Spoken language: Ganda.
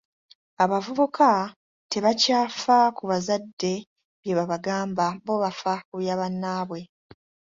Abavubuka tebakyafa ku bazadde bye babagamba bo bafa bya ba bannaabwe.